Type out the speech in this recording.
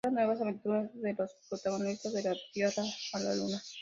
Narra nuevas aventuras de los protagonistas de "De la Tierra a la Luna".